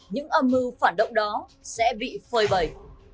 những âm mưu phản động đó sẽ bị phơi bầy